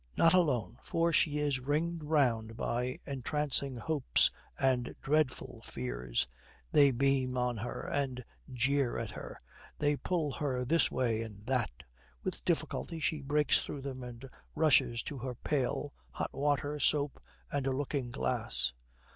Not alone, for she is ringed round by entrancing hopes and dreadful fears. They beam on her and jeer at her, they pull her this way and that; with difficulty she breaks through them and rushes to her pail, hot water, soap, and a looking glass.